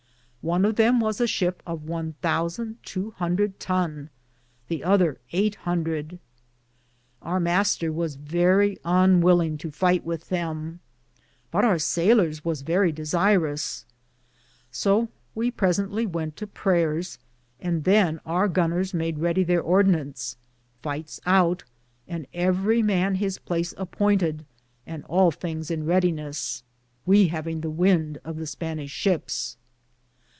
One of them was a shipe of one thousande tow hundrethe tone, the other 8 hundrethe. Our Mr. was verrie un willinge to feighte with them, but our saylors was verrie desierus ; so we presently wente to prayers, and than our gonors made reddie their ordinance, feightes^ oute, and everie man his place appointed, and all thinges in reddines, we havinge the wynde of the Spanishe ships.